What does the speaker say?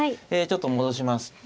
ちょっと戻します。